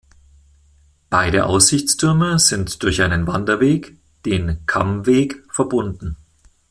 Beide Aussichtstürme sind durch einen Wanderweg, den "Kammweg", verbunden.